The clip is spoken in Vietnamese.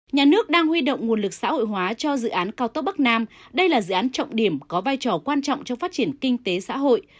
nhà nước đang huy động nguồn lực xã hội hóa cho dự án cao tốc bắc nam đây là dự án trọng điểm có vai trò quan trọng trong phát triển kinh tế xã hội